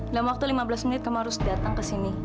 dalam waktu lima belas menit kamu harus datang ke sini